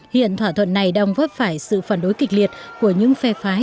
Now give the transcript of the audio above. hiện thỏa thuận này đang vấp phải sự phản đối kịch liệt của những phe phái